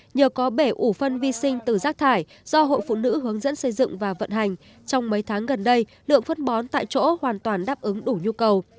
nhờ có bể ủ phân vi sinh từ rác thải do hội phụ nữ hướng dẫn xây dựng và vận hành trong mấy tháng gần đây lượng phân bón tại chỗ hoàn toàn đáp ứng đủ nhu cầu